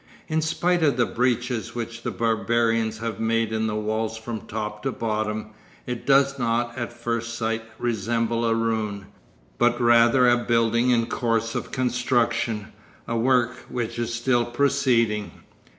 In spite of the breaches which the barbarians have made in the walls from top to bottom, it does not, at first sight, resemble a ruin, but rather a building in course of construction, a work which is still proceeding.